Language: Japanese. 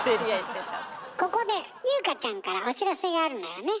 ここで優香ちゃんからお知らせがあるのよね？